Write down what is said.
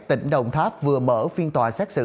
tỉnh đồng tháp vừa mở phiên tòa xét xử